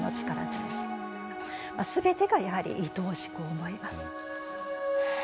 全てがやはりいとおしく思います。